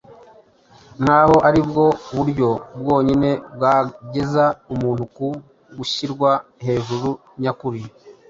nk’aho ari bwo buryo bwonyine bwageza umuntu ku gushyirwa hejuru nyakuri